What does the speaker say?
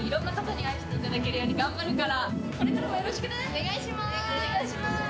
お願いしまーす。